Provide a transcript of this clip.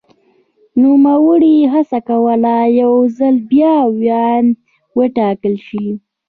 نوموړي هڅه کوله یو ځل بیا ویاند وټاکل شي.